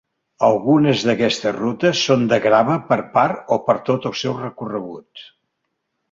Algunes d'aquestes rutes són de grava per part o per tot el seu recorregut.